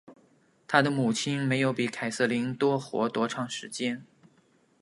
她的母亲没有比凯瑟琳多活多长时间。